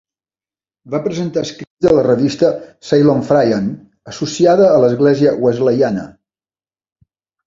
Va presentar escrits a la revista "Ceylon Friend", associada a l'Església Wesleyana.